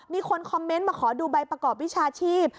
มีคนคอมเมนต์มาขอดูใบประกอบวิชาชีพ